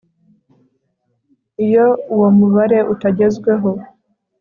iyo uwo mubare utagezweho